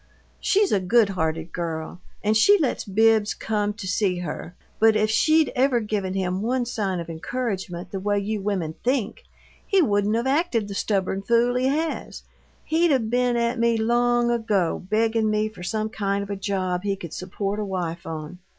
She's a good hearted girl, and she lets Bibbs come to see her, but if she'd ever given him one sign of encouragement the way you women think, he wouldn't of acted the stubborn fool he has he'd 'a' been at me long ago, beggin' me for some kind of a job he could support a wife on.